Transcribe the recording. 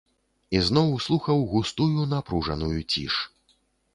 Ізноў слухаў густую напружаную ціш.